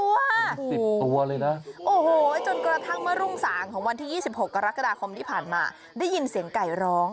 ๑๐ตัวเลยนะโอ้โหจนกระทั่งเมื่อรุ่งสางของวันที่๒๖กรกฎาคมที่ผ่านมาได้ยินเสียงไก่ร้อง